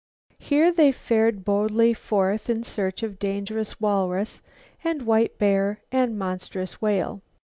Here they fared boldly forth in search of the dangerous walrus and white bear and the monstrous whale.